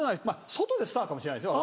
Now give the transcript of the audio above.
外でスターかもしれないですよ。